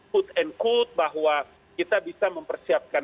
put and could bahwa kita bisa mempersiapkan